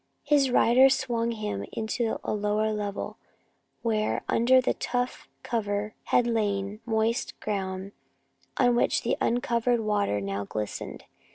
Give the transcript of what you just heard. His rider swung him to a lower level, where under the tough cover had lain moist ground, on which uncovered water now glistened.